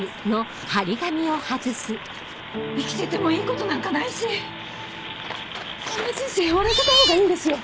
生きててもいいことなんかないしこんな人生終わらせたほうがいいんですよ。